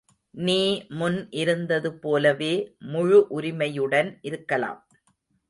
நீ முன் இருந்ததுபோலவே முழு உரிமையுடன் இருக்கலாம்.